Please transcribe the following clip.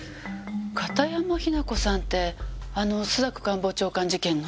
片山雛子さんってあの朱雀官房長官事件の？